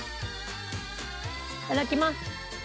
いただきます。